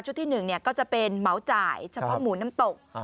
ชุดที่๑เนี่ยก็จะเป็นเมาจ่ายเฉพาะหมูน้ำตก